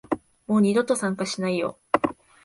もう二度と参加しないよ